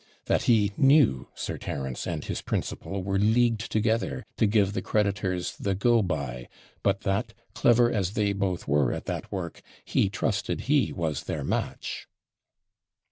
That he knew Sir Terence and his principal were leagued together to give the creditors THE GO BY, but that, clever as they both were at that work, he trusted he was their match.